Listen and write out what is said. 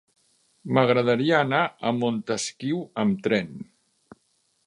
M'agradaria anar a Montesquiu amb tren.